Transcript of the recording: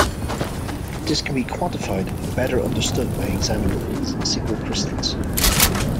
This can be quantified and better understood by examining single crystals.